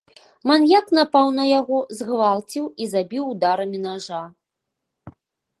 Маньяк напаў на яго, згвалціў і забіў ударамі нажа.